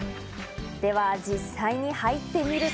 では実際に入ってみると。